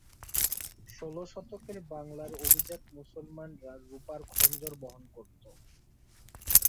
ষোল শতকের বাংলার অভিজাত মুসলমানরা রুপার খঞ্জর বহন করত।